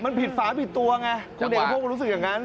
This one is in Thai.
มันผิดฝาผิดตัวไงคุณเอกพบมันรู้สึกอย่างนั้น